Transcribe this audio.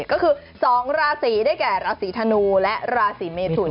ก็คือ๒ราศีได้แก่ราศีธนูและราศีเมทุน